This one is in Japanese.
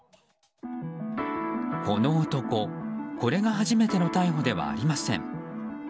この男、これが初めての逮捕ではありません。